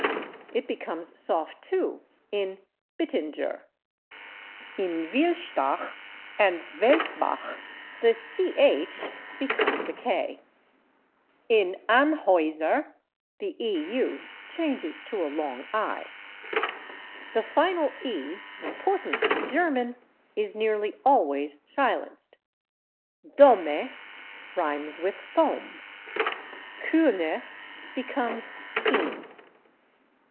It becomes soft, too, in /Bittinger/. In /Wilstach/ and /Welsbach/ the /ch/ becomes a /k/. In /Anheuser/ the /eu/ changes to a long /i/. The final /e/, important in German, is nearly always silenced; /Dohme/ rhymes with /foam/; /Kühne/ becomes /Keen